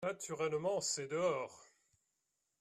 Naturellement ! c’est dehors.